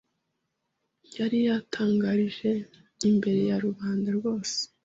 yari yatangarije imbere ya rubanda rwose